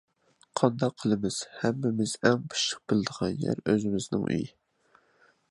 قانداق قىلىمىز؟ ھەممىمىز ئەڭ پىششىق بىلىدىغان يەر ئۆزىمىزنىڭ ئۆيى.